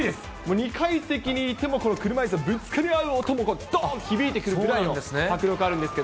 ２階席にいても、この車いすのぶつかり合う音がどーんと響いてくるぐらいの迫力あるんですけど。